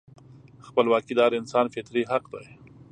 خپلواکي د هر انسان فطري حق دی.